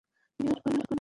তাহলে কী আর করার!